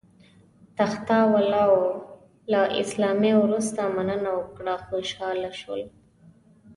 تخته والاو له سلامۍ وروسته مننه وکړه، خوشاله شول.